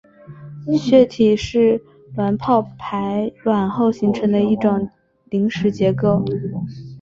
血体是卵泡排卵后形成的一种临时结构。